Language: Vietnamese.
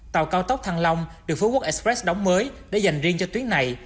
tàu cao tốc thăng long được phú quốc express đóng mới để dành riêng cho tuyến này